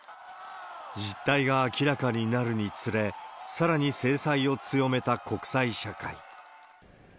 実態が明らかになるにつれ、さらに制裁を強めた国際社会。